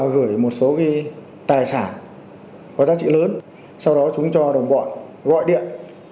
gửi một số cái tài sản có giá trị lớn sau đó chúng cho đồng bọn gọi điện